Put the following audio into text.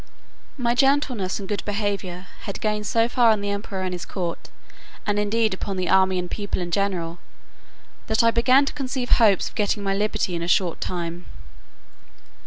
My gentleness and good behaviour had gained so far on the emperor and his court, and indeed upon the army and people in general, that I began to conceive hopes of getting my liberty in a short time.